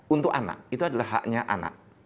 untuk anak itu adalah haknya anak